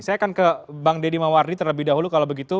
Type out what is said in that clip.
saya akan ke bang deddy mawardi terlebih dahulu kalau begitu